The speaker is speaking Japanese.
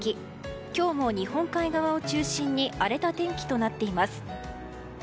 今日も日本海側を中心に荒れた天気となっています。